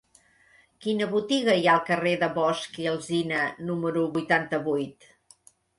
Quina botiga hi ha al carrer de Bosch i Alsina número vuitanta-vuit?